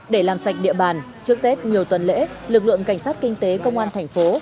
để làm sạch địa bàn trước tết nhiều tuần lễ lực lượng cảnh sát kinh tế công an thành phố